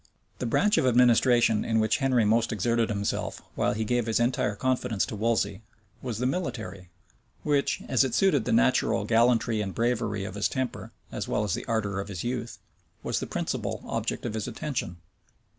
The branch of administration in which Henry most exerted himself, while he gave his entire confidence to Wolsey, was the military; which, as it suited the natural gallantry and bravery of his temper, as well as the ardor of his youth, was the principal object of his attention.